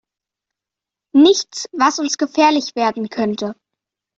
Nichts, was uns gefährlich werden könnte.